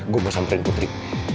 gue mau samperin putri